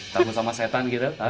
takut sama setan gitu